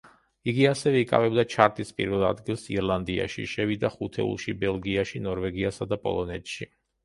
იგი ასევე იკავებდა ჩარტის პირველ ადგილს ირლანდიაში, შევიდა ხუთეულში ბელგიაში, ნორვეგიასა და პოლონეთში.